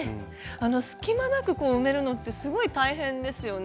隙間なく埋めるのってすごい大変ですよね。